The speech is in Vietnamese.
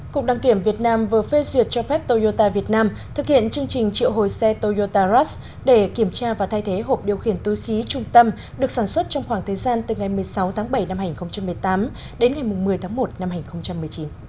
cục đăng kiểm việt nam vừa phê duyệt cho phép toyota việt nam thực hiện chương trình triệu hồi xe toyota rush để kiểm tra và thay thế hộp điều khiển túi khí trung tâm được sản xuất trong khoảng thời gian từ ngày một mươi sáu tháng bảy năm hai nghìn một mươi tám đến ngày một mươi tháng một năm hai nghìn một mươi chín